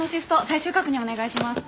最終確認お願いします。